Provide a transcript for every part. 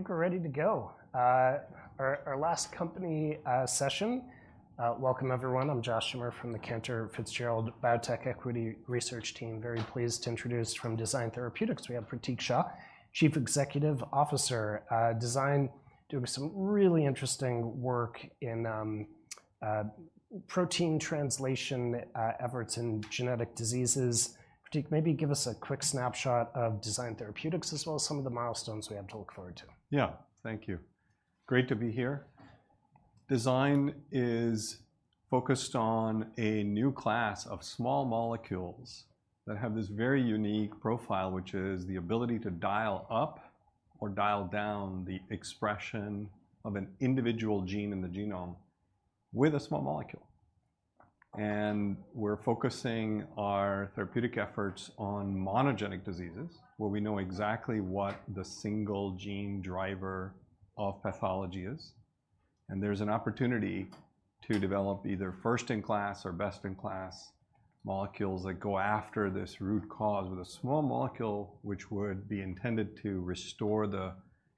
Great! I think we're ready to go. Our last company session, welcome everyone. I'm Josh Schimmer from the Cantor Fitzgerald Biotech Equity Research Team. Very pleased to introduce from Design Therapeutics, we have Pratik Shah, Chief Executive Officer. Design doing some really interesting work in protein translation efforts in genetic diseases. Pratik, maybe give us a quick snapshot of Design Therapeutics, as well as some of the milestones we have to look forward to. Yeah. Thank you. Great to be here. Design is focused on a new class of small molecules, that have this very unique profile, which is the ability to dial up or dial down the expression of an individual gene in the genome with a small molecule. And we're focusing our therapeutic efforts on monogenic diseases, where we know exactly what the single gene driver of pathology is. And there's an opportunity to develop either first-in-class or best-in-class molecules that go after this root cause with a small molecule, which would be intended to restore the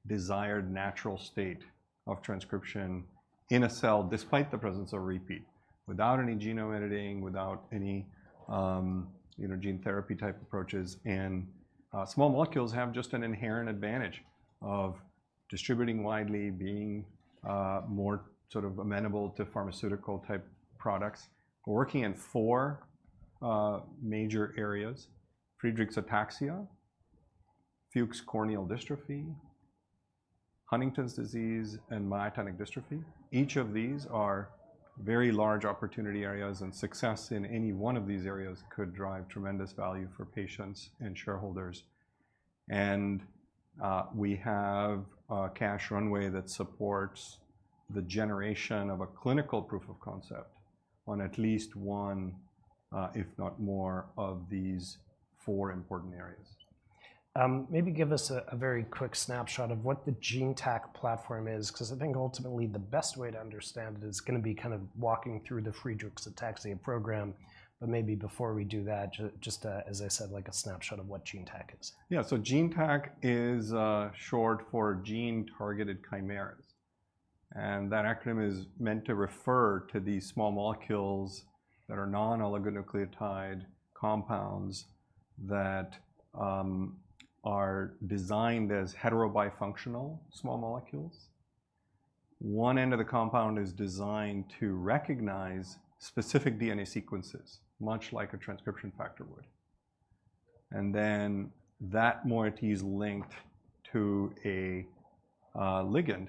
desired natural state of transcription in a cell, despite the presence of repeat, without any genome editing, without any, you know, gene therapy type approaches. And, small molecules have just an inherent advantage of distributing widely, being, more sort of amenable to pharmaceutical type products. We're working in four major areas: Friedreich's ataxia, Fuchs' corneal dystrophy, Huntington's disease, and myotonic dystrophy. Each of these are very large opportunity areas, and success in any one of these areas could drive tremendous value for patients and shareholders. And we have a cash runway that supports the generation of a clinical proof of concept on at least one, if not more, of these four important areas. Maybe give us a very quick snapshot of what the GeneTAC platform is, 'cause I think ultimately the best way to understand it is gonna be kind of walking through the Friedreich's ataxia program. But maybe before we do that, as I said, like a snapshot of what GeneTAC is. Yeah. So GeneTAC is short for Gene-Targeted Chimeras, and that acronym is meant to refer to these small molecules that are non-oligonucleotide compounds, that are designed as heterobifunctional small molecules. One end of the compound is designed to recognize specific DNA sequences, much like a transcription factor would. And then, that moiety is linked to a ligand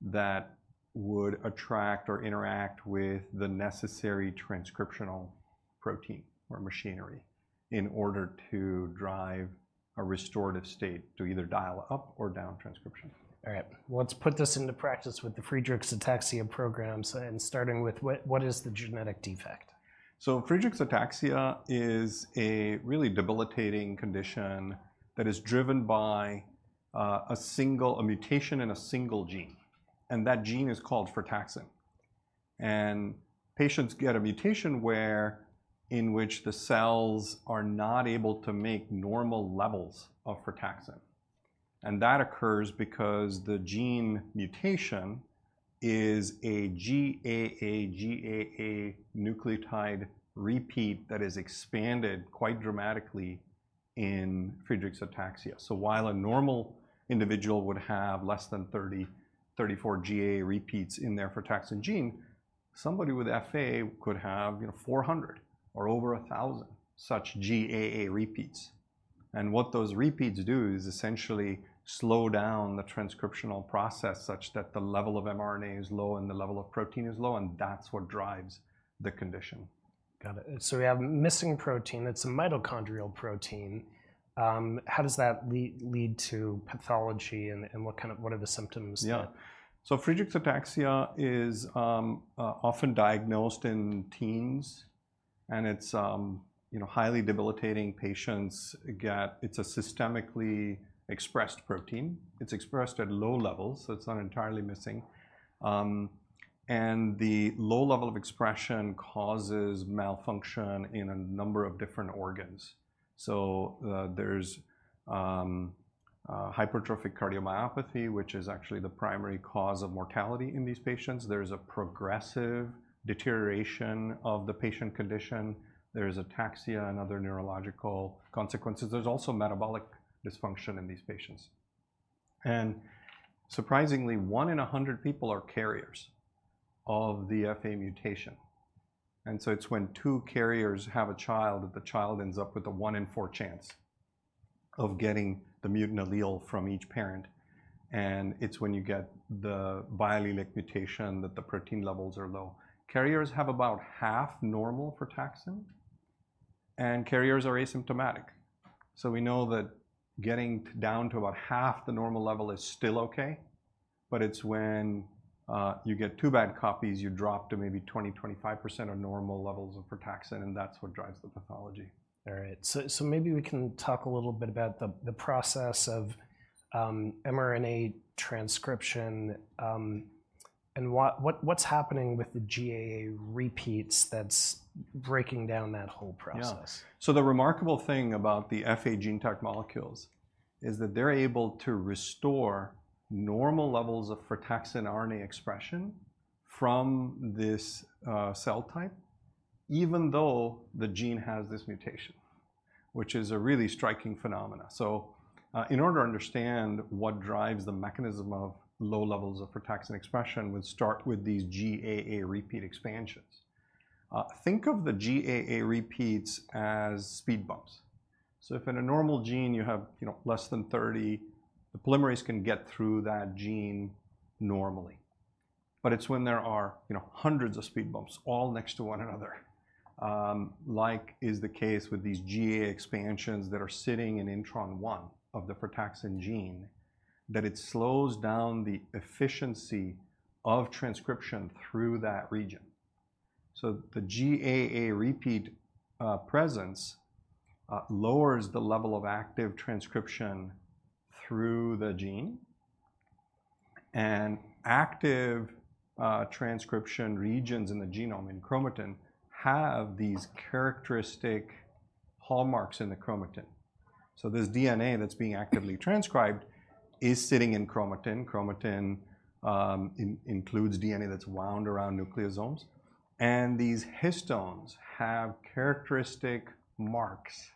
that would attract or interact with the necessary transcriptional protein or machinery, in order to drive a restorative state to either dial up or down transcription. All right. Let's put this into practice with the Friedreich's ataxia programs, and starting with what, what is the genetic defect? Friedreich's ataxia is a really debilitating condition that is driven by a single mutation in a single gene, and that gene is called frataxin. Patients get a mutation in which the cells are not able to make normal levels of frataxin, and that occurs because the gene mutation is a GAA nucleotide repeat that is expanded quite dramatically in Friedreich's ataxia. While a normal individual would have less than 30-34 GAA repeats in their frataxin gene, somebody with FA could have, you know, 400 or over 1,000 such GAA repeats. What those repeats do is essentially slow down the transcriptional process, such that the level of mRNA is low and the level of protein is low, and that's what drives the condition. Got it. So we have missing protein, it's a mitochondrial protein. How does that lead to pathology, and what are the symptoms? Yeah. So Friedreich's ataxia is often diagnosed in teens, and it's you know highly debilitating. Patients get... It's a systemically expressed protein. It's expressed at low levels, so it's not entirely missing. And the low level of expression causes malfunction in a number of different organs. So there's hypertrophic cardiomyopathy, which is actually the primary cause of mortality in these patients. There's a progressive deterioration of the patient condition. There's ataxia and other neurological consequences. There's also metabolic dysfunction in these patients. Surprisingly, one in a hundred people are carriers of the FA mutation, and so it's when two carriers have a child that the child ends up with a one in four chance of getting the mutant allele from each parent, and it's when you get the biallelic mutation that the protein levels are low. Carriers have about half normal frataxin, and carriers are asymptomatic, so we know that getting down to about half the normal level is still okay, but it's when you get two bad copies, you drop to maybe 20-25% of normal levels of frataxin, and that's what drives the pathology. All right. So maybe we can talk a little bit about the process of mRNA transcription and what's happening with the GAA repeats that's breaking down that whole process? Yeah, so the remarkable thing about the GeneTAC molecules is that they're able to restore normal levels of frataxin RNA expression from this cell type, even though the gene has this mutation, which is a really striking phenomena. So, in order to understand what drives the mechanism of low levels of frataxin expression, we start with these GAA repeat expansions. Think of the GAA repeats as speed bumps. So if in a normal gene you have, you know, less than thirty, the polymerase can get through that gene normally. But it's when there are, you know, hundreds of speed bumps all next to one another, like is the case with these GAA expansions that are sitting in intron one of the frataxin gene, that it slows down the efficiency of transcription through that region. The GAA repeat presence lowers the level of active transcription through the gene. Active transcription regions in the genome, in chromatin, have these characteristic hallmarks in the chromatin. This DNA that's being actively transcribed is sitting in chromatin. Chromatin includes DNA that's wound around nucleosomes, and these histones have characteristic marks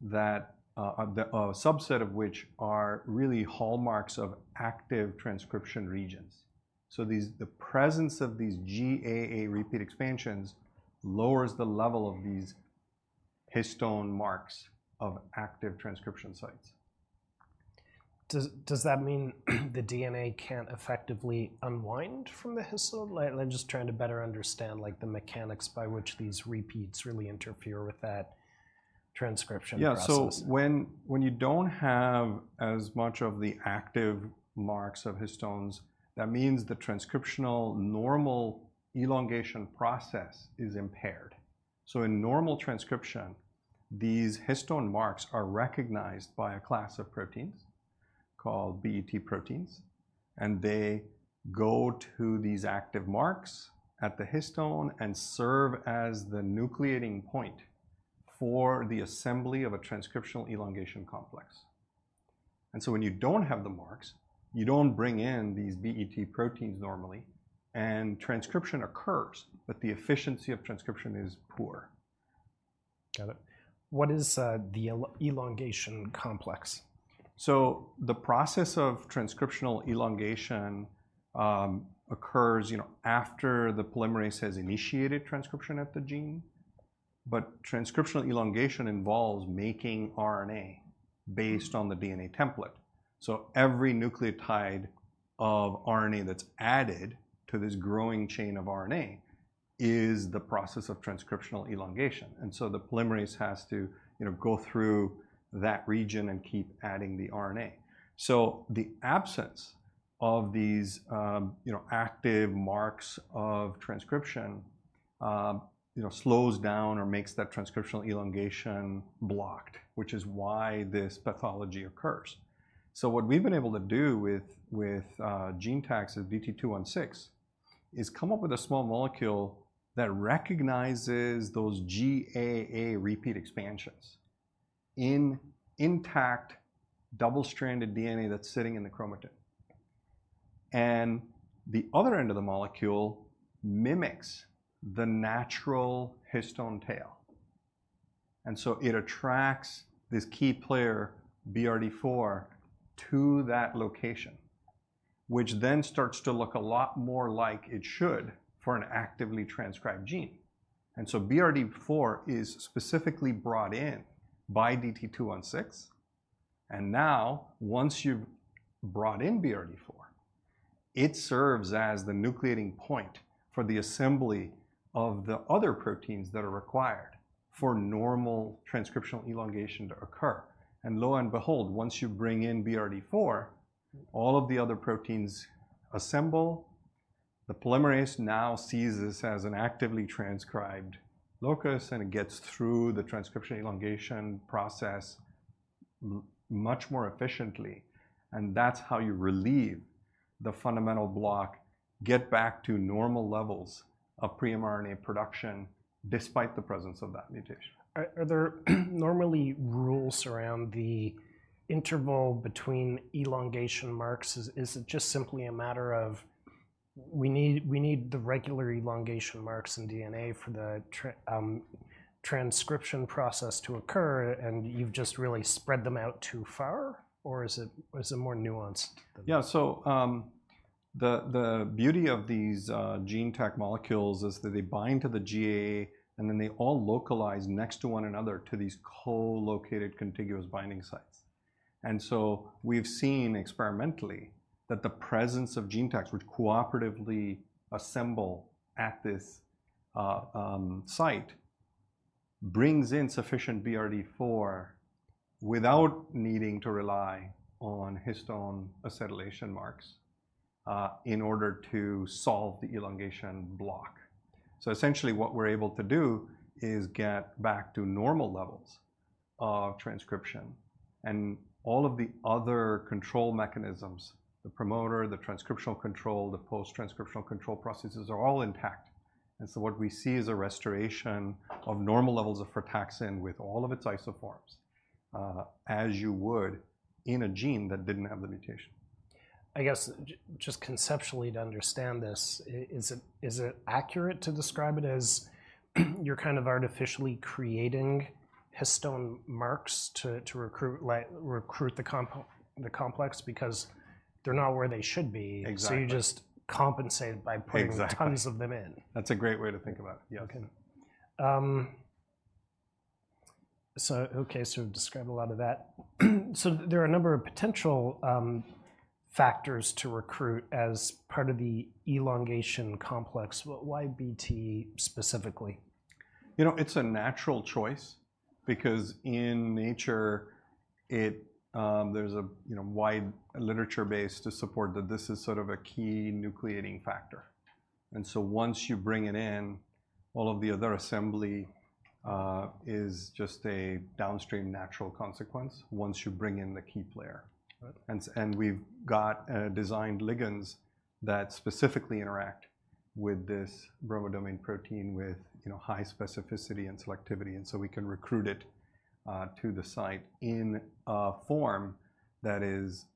that the subset of which are really hallmarks of active transcription regions. The presence of these GAA repeat expansions lowers the level of these histone marks of active transcription sites. Does that mean the DNA can't effectively unwind from the histone? Like, I'm just trying to better understand, like, the mechanics by which these repeats really interfere with that transcription process. Yeah, so when you don't have as much of the active marks of histones, that means the transcriptional normal elongation process is impaired, so in normal transcription, these histone marks are recognized by a class of proteins called BET proteins, and they go to these active marks at the histone and serve as the nucleating point for the assembly of a transcriptional elongation complex, and so when you don't have the marks, you don't bring in these BET proteins normally, and transcription occurs, but the efficiency of transcription is poor. Got it. What is the elongation complex? So the process of transcriptional elongation occurs, you know, after the polymerase has initiated transcription at the gene. But transcriptional elongation involves making RNA based on the DNA template. So every nucleotide of RNA that's added to this growing chain of RNA is the process of transcriptional elongation, and so the polymerase has to, you know, go through that region and keep adding the RNA. So the absence of these, you know, active marks of transcription slows down or makes that transcriptional elongation blocked, which is why this pathology occurs. So what we've been able to do with GeneTAC DT-216 is come up with a small molecule that recognizes those GAA repeat expansions in intact double-stranded DNA that's sitting in the chromatin. And the other end of the molecule mimics the natural histone tail, and so it attracts this key player, BRD4, to that location, which then starts to look a lot more like it should for an actively transcribed gene. And so BRD4 is specifically brought in by DT-216, and now, once you've brought in BRD4, it serves as the nucleating point for the assembly of the other proteins that are required for normal transcriptional elongation to occur. And lo and behold, once you bring in BRD4, all of the other proteins assemble. The polymerase now sees this as an actively transcribed locus, and it gets through the transcription elongation process much more efficiently. And that's how you relieve the fundamental block, get back to normal levels of pre-mRNA production, despite the presence of that mutation. Are there normally rules around the interval between elongation marks? Is it just simply a matter of we need the regular elongation marks in DNA for the transcription process to occur, and you've just really spread them out too far, or is it more nuanced than that? Yeah. So, the beauty of these GeneTAC molecules is that they bind to the GAA, and then they all localize next to one another to these co-located contiguous binding sites. And so we've seen experimentally that the presence of GeneTACs, which cooperatively assemble at this site, brings in sufficient BRD4 without needing to rely on histone acetylation marks in order to solve the elongation block. So essentially what we're able to do is get back to normal levels of transcription, and all of the other control mechanisms, the promoter, the transcriptional control, the post-transcriptional control processes are all intact. And so what we see is a restoration of normal levels of frataxin with all of its isoforms, as you would in a gene that didn't have the mutation. I guess just conceptually, to understand this, is it accurate to describe it as you're kind of artificially creating histone marks to recruit the complex because they're not where they should be? Exactly. So you just compensate by putting- Exactly Tons of them in? That's a great way to think about it, yeah. Okay. So describe a lot of that. So there are a number of potential factors to recruit as part of the elongation complex. Why BET specifically? You know, it's a natural choice because in nature, there's a, you know, wide literature base to support that this is sort of a key nucleating factor. And so once you bring it in, all of the other assembly is just a downstream natural consequence once you bring in the key player. Right. We've got designed ligands that specifically interact with this bromodomain protein with, you know, high specificity and selectivity, and so we can recruit it to the site in a form that is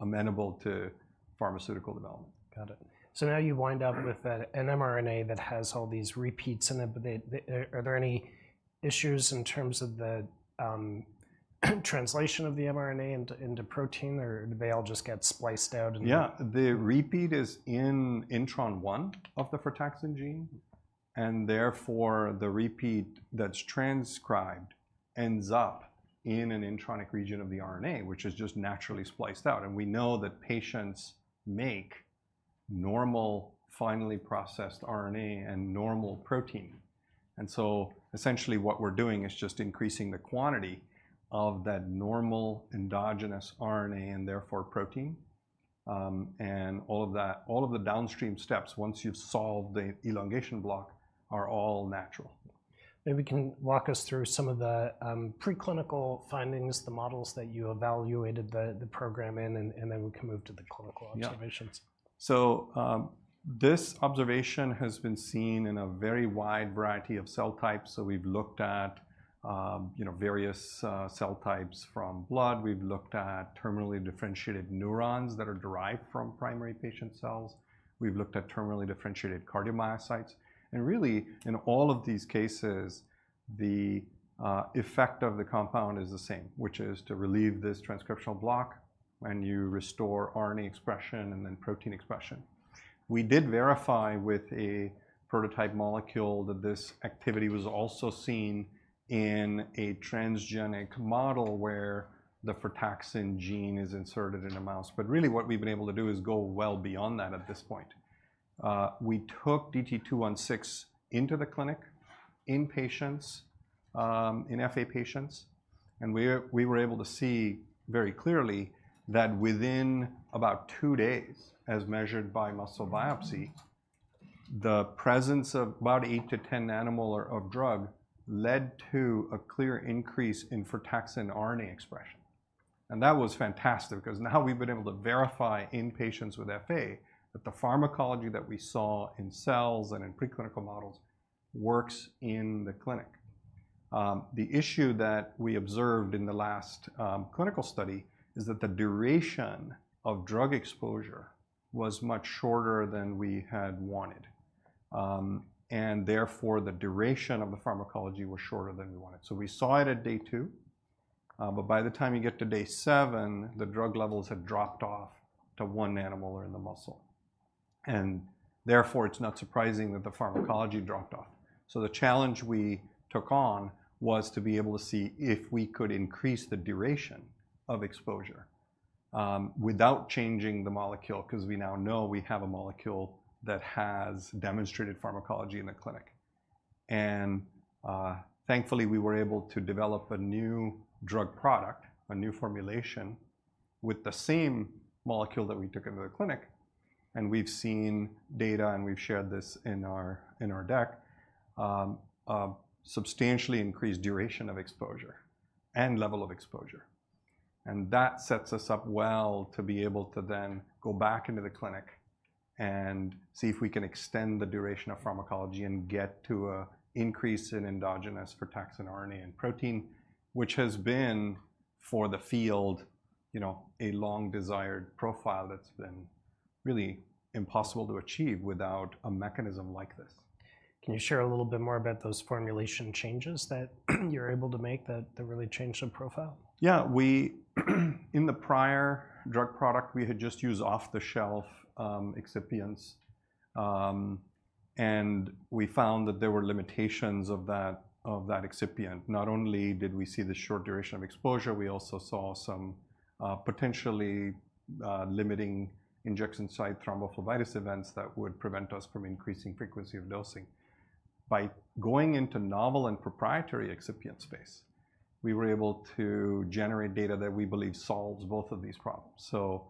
amenable to pharmaceutical development. Got it. So now you wind up with an mRNA that has all these repeats in it, but they. Are there any issues in terms of the translation of the mRNA into protein, or do they all just get spliced out and- Yeah, the repeat is in intron one of the frataxin gene, and therefore, the repeat that's transcribed ends up in an intronic region of the RNA, which is just naturally spliced out. And we know that patients make normal, finely processed RNA and normal protein. And so essentially, what we're doing is just increasing the quantity of that normal endogenous RNA, and therefore, protein. And all of that, all of the downstream steps, once you've solved the elongation block, are all natural. Maybe we can walk us through some of the preclinical findings, the models that you evaluated the program in, and then we can move to the clinical observations. Yeah. So, this observation has been seen in a very wide variety of cell types. So we've looked at, you know, various, cell types from blood. We've looked at terminally differentiated neurons that are derived from primary patient cells. We've looked at terminally differentiated cardiomyocytes. And really, in all of these cases, the effect of the compound is the same, which is to relieve this transcriptional block, and you restore RNA expression and then protein expression. We did verify with a prototype molecule that this activity was also seen in a transgenic model where the frataxin gene is inserted in a mouse. But really, what we've been able to do is go well beyond that at this point. We took DT-216 into the clinic, in patients, in FA patients, and we were able to see very clearly that within about two days, as measured by muscle biopsy, the presence of about eight to 10 nanomolar of drug led to a clear increase in frataxin RNA expression, and that was fantastic because now we've been able to verify in patients with FA that the pharmacology that we saw in cells and in preclinical models works in the clinic. The issue that we observed in the last clinical study is that the duration of drug exposure was much shorter than we had wanted, and therefore, the duration of the pharmacology was shorter than we wanted. So we saw it at day two, but by the time you get to day seven, the drug levels had dropped off to one nanomolar in the muscle, and therefore, it's not surprising that the pharmacology dropped off. So the challenge we took on was to be able to see if we could increase the duration of exposure, without changing the molecule, 'cause we now know we have a molecule that has demonstrated pharmacology in the clinic. And, thankfully, we were able to develop a new drug product, a new formulation, with the same molecule that we took into the clinic, and we've seen data, and we've shared this in our deck, a substantially increased duration of exposure and level of exposure. That sets us up well to be able to then go back into the clinic and see if we can extend the duration of pharmacology and get to an increase in endogenous frataxin RNA and protein, which has been, for the field, you know, a long-desired profile that's been really impossible to achieve without a mechanism like this. Can you share a little bit more about those formulation changes that you're able to make, that really changed the profile? Yeah, we, in the prior drug product, we had just used off-the-shelf, excipients. And we found that there were limitations of that, of that excipient. Not only did we see the short duration of exposure, we also saw some, potentially, limiting injection site thrombophlebitis events that would prevent us from increasing frequency of dosing. By going into novel and proprietary excipient space, we were able to generate data that we believe solves both of these problems. So,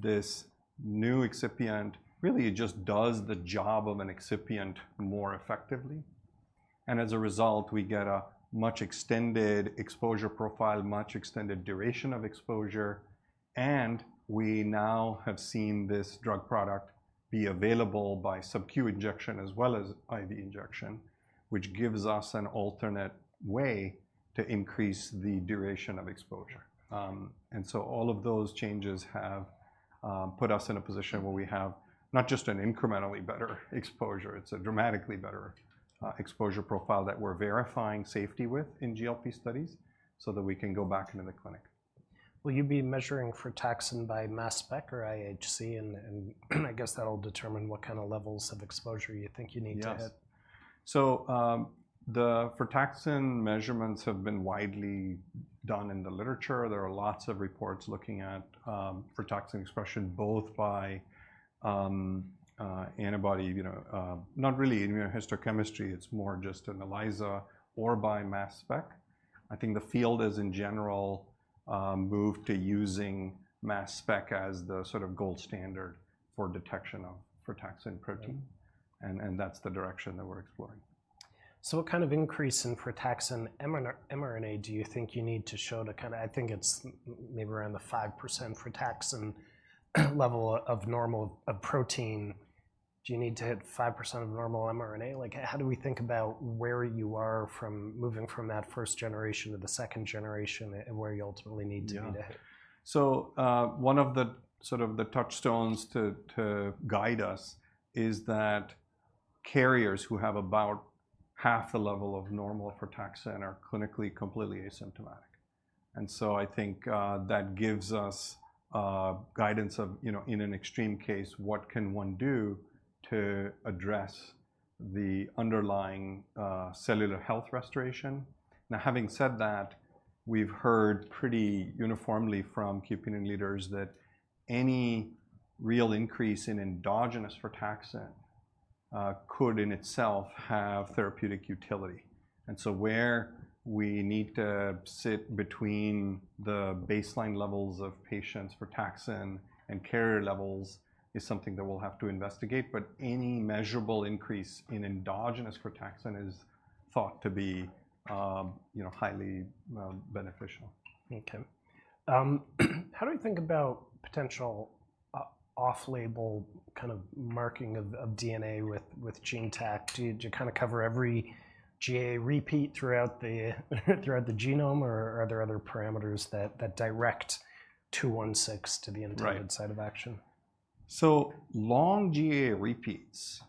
this new excipient really just does the job of an excipient more effectively, and as a result, we get a much extended exposure profile, much extended duration of exposure, and we now have seen this drug product be available by sub-Q injection as well as IV injection, which gives us an alternate way to increase the duration of exposure. And so all of those changes have put us in a position where we have not just an incrementally better exposure, it's a dramatically better exposure profile that we're verifying safety with in GLP studies so that we can go back into the clinic. Will you be measuring frataxin by mass spec or IHC? And I guess that'll determine what kind of levels of exposure you think you need to hit. Yes. So, the frataxin measurements have been widely done in the literature. There are lots of reports looking at, frataxin expression, both by, antibody, you know, not really immunohistochemistry, it's more just an ELISA or by mass spec. I think the field has, in general, moved to using mass spec as the sort of gold standard for detection of frataxin protein. Right. That's the direction that we're exploring. So what kind of increase in frataxin mRNA do you think you need to show to kinda I think it's maybe around the 5% frataxin level of normal, of protein. Do you need to hit 5% of normal mRNA? Like, how do we think about where you are from moving from that first generation to the second generation, and where you ultimately need to be there? Yeah. So, one of the sort of touchstones to guide us is that carriers who have about half the level of normal frataxin are clinically completely asymptomatic. And so I think that gives us guidance of, you know, in an extreme case, what can one do to address the underlying cellular health restoration? Now, having said that, we've heard pretty uniformly from key opinion leaders that any real increase in endogenous frataxin could in itself have therapeutic utility. And so where we need to sit between the baseline levels of patients' frataxin and carrier levels is something that we'll have to investigate, but any measurable increase in endogenous frataxin is thought to be, you know, highly beneficial. Okay. How do we think about potential off-label kind of marking of DNA with GeneTAC? Do you kinda cover every GAA repeat throughout the genome, or are there other parameters that direct DT-216 to the intended- Right Site of action? So long GAA repeats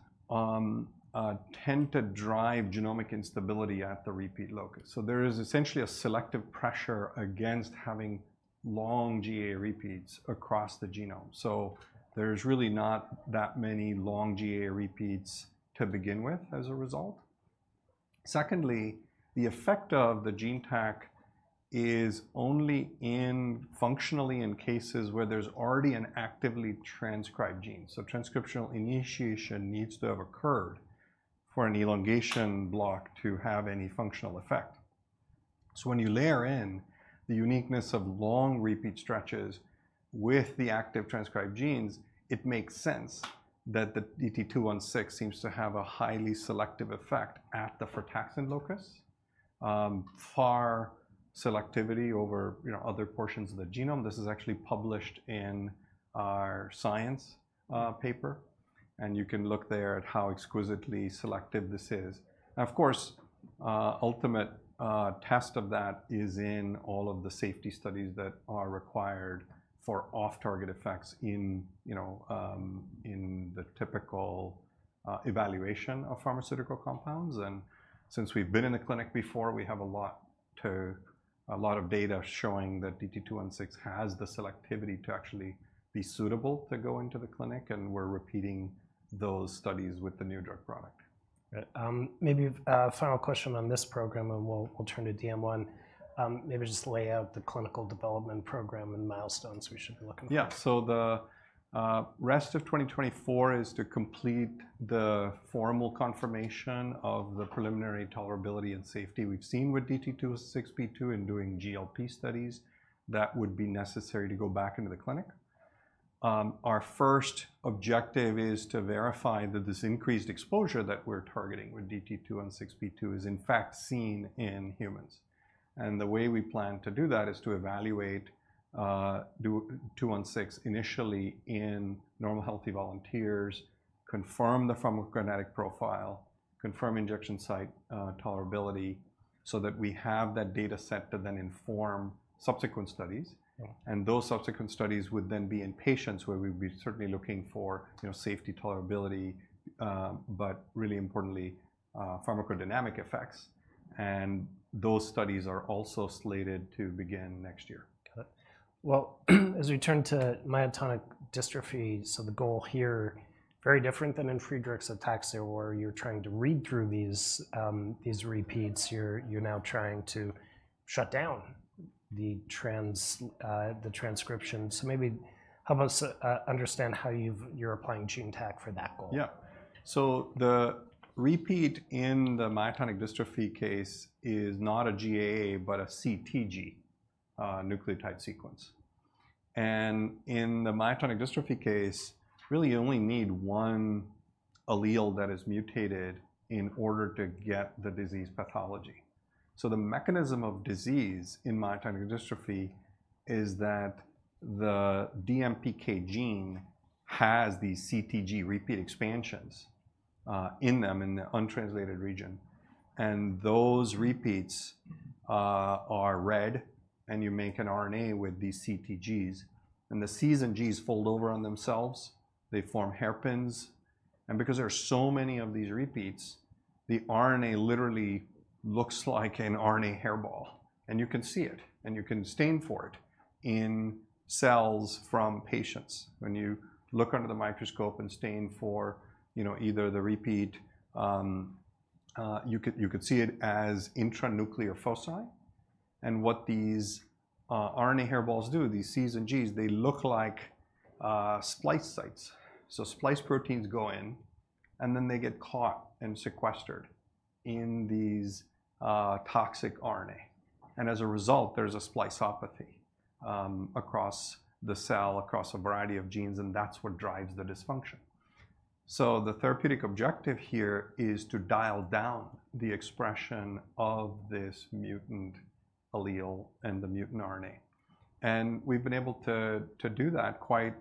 tend to drive genomic instability at the repeat locus. So there is essentially a selective pressure against having long GAA repeats across the genome, so there's really not that many long GAA repeats to begin with, as a result. Secondly, the effect of the GeneTAC is only in, functionally in cases where there's already an actively transcribed gene. So transcriptional initiation needs to have occurred for an elongation block to have any functional effect. So when you layer in the uniqueness of long repeat stretches with the active transcribed genes, it makes sense that the DT-216 seems to have a highly selective effect at the frataxin locus. Far selectivity over, you know, other portions of the genome. This is actually published in our Science paper, and you can look there at how exquisitely selective this is. Now, of course, ultimate test of that is in all of the safety studies that are required for off-target effects in, you know, in the typical evaluation of pharmaceutical compounds. And since we've been in the clinic before, we have a lot to... a lot of data showing that DT-216 has the selectivity to actually be suitable to go into the clinic, and we're repeating those studies with the new drug product. Right. Maybe a final question on this program, and we'll turn to DM1. Maybe just lay out the clinical development program and milestones we should be looking for. Yeah. So the rest of 2024 is to complete the formal confirmation of the preliminary tolerability and safety we've seen with DT-216P2 in doing GLP studies that would be necessary to go back into the clinic. Our first objective is to verify that this increased exposure that we're targeting with DT-216P2 is, in fact, seen in humans. And the way we plan to do that is to evaluate DT-216 initially in normal healthy volunteers, confirm the pharmacokinetic profile, confirm injection site tolerability, so that we have that data set to then inform subsequent studies. Yeah. Those subsequent studies would then be in patients, where we'd be certainly looking for, you know, safety, tolerability, but really importantly, pharmacodynamic effects. Those studies are also slated to begin next year. Got it. Well, as we turn to myotonic dystrophy, so the goal here, very different than in Friedreich's ataxia, where you're trying to read through these, these repeats. You're now trying to shut down the transcription. So maybe help us understand how you're applying GeneTAC for that goal. Yeah. So the repeat in the myotonic dystrophy case is not a GAA, but a CTG nucleotide sequence. And in the myotonic dystrophy case, really you only need one allele that is mutated in order to get the disease pathology. So the mechanism of disease in myotonic dystrophy is that the DMPK gene has these CTG repeat expansions in them, in the untranslated region. And those repeats are read, and you make an RNA with these CTGs, and the Cs and Gs fold over on themselves, they form hairpins. And because there are so many of these repeats, the RNA literally looks like an RNA hairball, and you can see it, and you can stain for it in cells from patients. When you look under the microscope and stain for you know either the repeat, you could see it as intranuclear foci. And what these RNA hairballs do, these Cs and Gs, they look like splice sites. So splice proteins go in, and then they get caught and sequestered in these toxic RNA, and as a result, there's a spliceopathy across the cell, across a variety of genes, and that's what drives the dysfunction. So the therapeutic objective here is to dial down the expression of this mutant allele and the mutant RNA. And we've been able to do that quite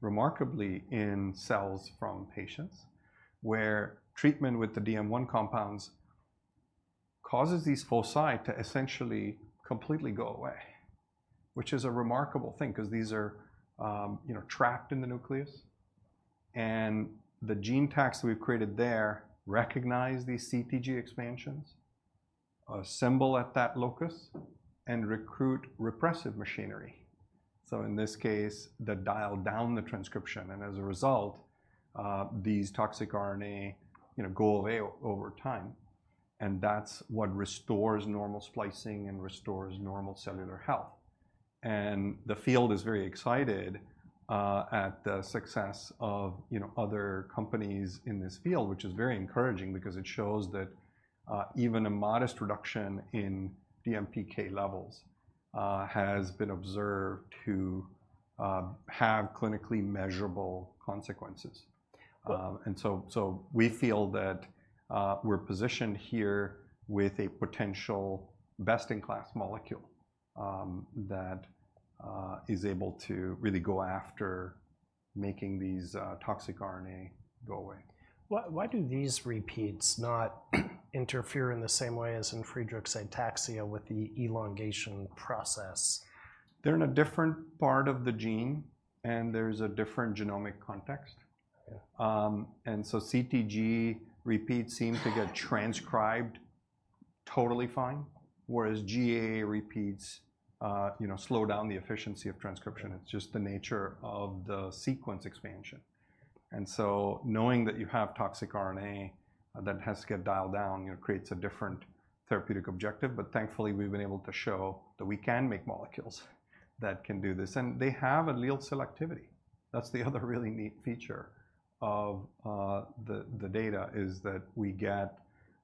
remarkably in cells from patients, where treatment with the DM1 compounds causes these foci to essentially completely go away, which is a remarkable thing 'cause these are, you know, trapped in the nucleus. The GeneTACs that we've created there recognize these CTG expansions, assemble at that locus, and recruit repressive machinery, so in this case, that dial down the transcription, and as a result, these toxic RNA, you know, go away over time, and that's what restores normal splicing and restores normal cellular health. The field is very excited at the success of, you know, other companies in this field, which is very encouraging because it shows that even a modest reduction in DMPK levels has been observed to have clinically measurable consequences. And so we feel that we're positioned here with a potential best-in-class molecule that is able to really go after making these toxic RNA go away. Why, why do these repeats not interfere in the same way as in Friedreich's ataxia with the elongation process? They're in a different part of the gene, and there's a different genomic context. Yeah. And so CTG repeats seem to get transcribed totally fine, whereas GAA repeats, you know, slow down the efficiency of transcription. It's just the nature of the sequence expansion. And so knowing that you have toxic RNA that has to get dialed down, you know, creates a different therapeutic objective, but thankfully, we've been able to show that we can make molecules that can do this, and they have allele selectivity. That's the other really neat feature of the data, is that we get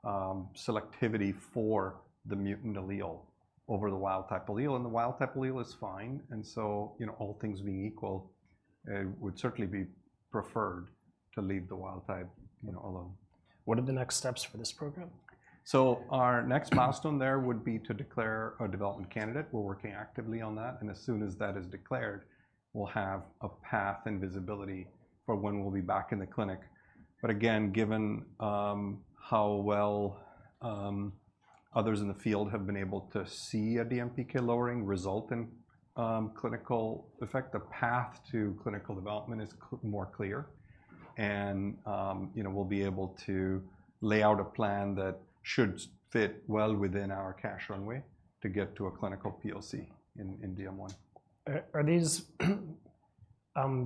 selectivity for the mutant allele over the wild-type allele, and the wild-type allele is fine, and so, you know, all things being equal, would certainly be preferred to leave the wild type, you know, alone. What are the next steps for this program? So our next milestone there would be to declare a development candidate. We're working actively on that, and as soon as that is declared, we'll have a path and visibility for when we'll be back in the clinic. But again, given how well others in the field have been able to see a DMPK lowering result in clinical. In fact, the path to clinical development is more clear. And you know, we'll be able to lay out a plan that should fit well within our cash runway to get to a clinical POC in DM1. Are these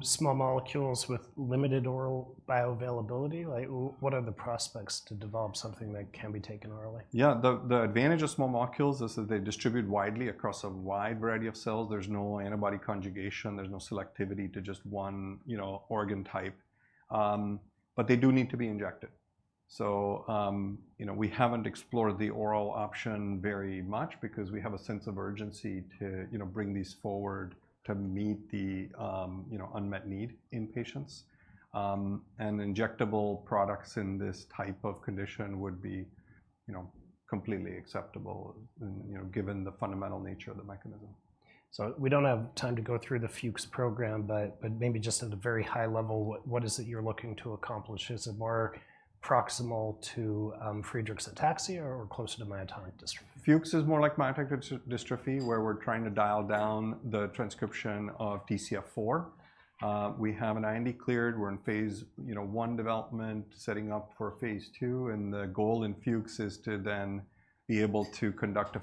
small molecules with limited oral bioavailability? Like, what are the prospects to develop something that can be taken orally? Yeah. The advantage of small molecules is that they distribute widely across a wide variety of cells. There's no antibody conjugation, there's no selectivity to just one, you know, organ type. But they do need to be injected. So, you know, we haven't explored the oral option very much because we have a sense of urgency to, you know, bring these forward to meet the, you know, unmet need in patients, and injectable products in this type of condition would be, you know, completely acceptable, and, you know, given the fundamental nature of the mechanism. So we don't have time to go through the Fuchs' program, but maybe just at a very high level, what is it you're looking to accomplish? Is it more proximal to Friedreich's ataxia, or closer to myotonic dystrophy? Fuchs is more like myotonic dystrophy, where we're trying to dial down the transcription of TCF4. We have an IND cleared. We're in phase, you know, one development, setting up for phase two, and the goal in Fuchs is to then be able to conduct a-